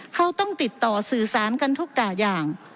เขาต้องติดต่อสื่อสารกันทุกด่าอย่าง